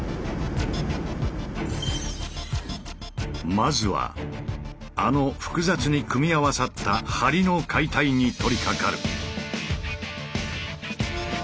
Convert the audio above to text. まずはあの複雑に組み合わさった梁の解体に取りかかる。